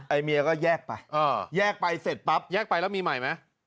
เมียก็แยกไปแยกไปเสร็จปั๊บแยกไปแล้วมีใหม่ไหม